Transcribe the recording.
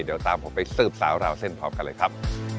เดี๋ยวตามผมไปสืบสาวราวเส้นพร้อมกันเลยครับ